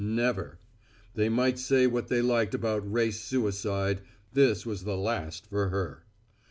Never. They might say what they liked about race suicide, this was the last for her.